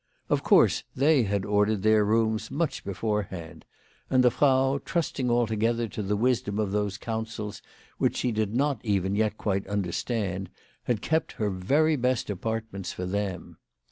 Of course they had ordered their rooms much beforehand ; and the Frau, trusting altogether to the wisdom of those counsels which she did not even yet quite under stand, had kept her very best apartments for them.